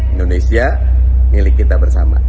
indonesia milik kita bersama